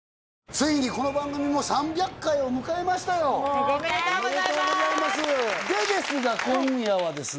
ついにこの番組も３００回を迎えましたよおめでとうございますおめでとうございますでですが今夜はですね